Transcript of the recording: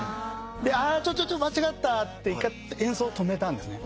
あちょちょちょ間違ったって一回演奏を止めたんですね。